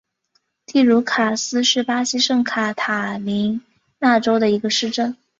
蒂茹卡斯是巴西圣卡塔琳娜州的一个市镇。